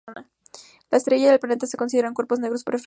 La estrella y el planeta se consideran cuerpos negros perfectos.